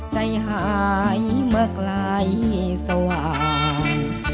ใจหายเมื่อไกลสว่าง